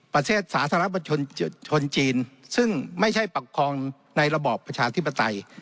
ประเทศสาธารณชนจีนซึ่งไม่ใช่ประคองในระบอบประชาธิปไตย